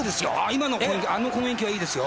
今の攻撃あの攻撃はいいですよ。